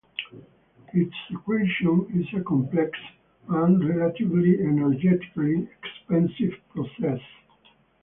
Its secretion is a complex and relatively energetically expensive process.